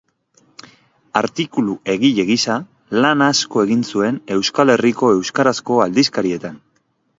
Artikulu-egile gisa lan asko egin zuen Euskal Herriko euskarazko aldizkarietan.